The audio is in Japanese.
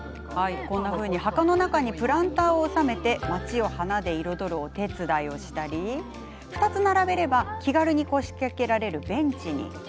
箱の中にプランターを収めて町を花で彩るお手伝いをしたり２つ並べれば気軽に腰掛けられるベンチに。